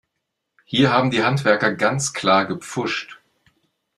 Hier haben die Handwerker ganz klar gepfuscht.